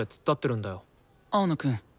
青野くん。